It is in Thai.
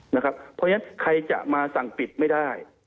เพราะฉะนั้นใครจะมาสั่งปิดไม่ได้